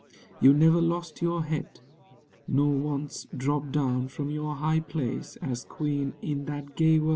You never lost your head, nor once dropped down From your high place As queen in that gay whirl.